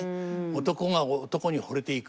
男が男に惚れていく。